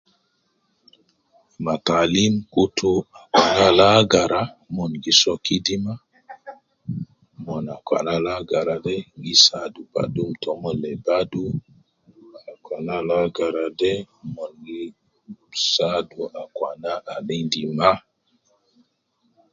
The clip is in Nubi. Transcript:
Ma taalim kutu akwana al agara min gi soo kidima mon akwana al agara de gi saadu badum tomon me lim badu akwana al agara de mon gi saadu akwana al endi ma